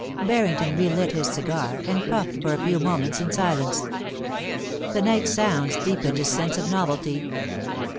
Barrington relit his cigar, and puffed for a few moments in silence. The night sounds deepened his sense of novelty.